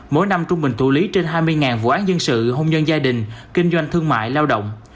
mỗi năm trung bình tụ lý trên hai mươi vụ án dân sự hôn nhân gia đình kinh doanh thương mại lao động